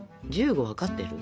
１５分かってる？